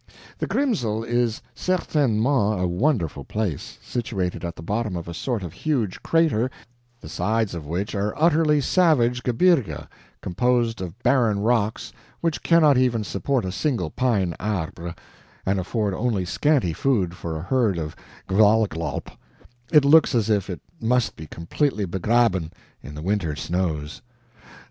The Grimsel is CERTAINEMENT a wonderful place; situated at the bottom of a sort of huge crater, the sides of which are utterly savage GEBIRGE, composed of barren rocks which cannot even support a single pine ARBRE, and afford only scanty food for a herd of GMWKWLLOLP, it looks as if it must be completely BEGRABEN in the winter snows.